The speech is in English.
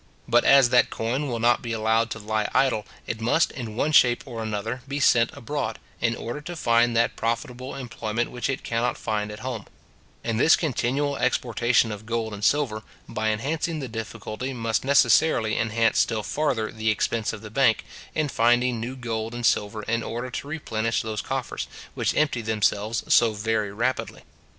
But as that coin will not be allowed to lie idle, it must, in one shape or another, be sent abroad, in order to find that profitable employment which it cannot find at home; and this continual exportation of gold and silver, by enhancing the difficulty, must necessarily enhance still farther the expense of the bank, in finding new gold and silver in order to replenish those coffers, which empty themselves so very rapidly.